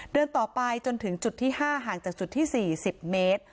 เดินต่อไปจนถึงจุดที่๕ห่างจากจุดที่๔๐เมตร